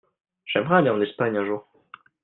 J'aimerais aller en Espagne un jour.